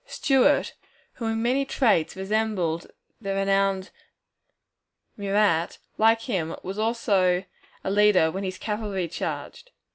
Stuart, who in many traits resembled the renowned Murat, like him was always a leader when his cavalry charged.